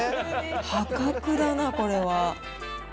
破格だな、これは。